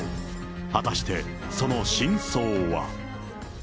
果たしてその真相は。